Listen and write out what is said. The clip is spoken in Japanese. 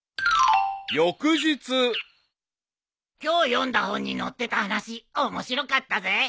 ［翌日］今日読んだ本に載ってた話面白かったぜ。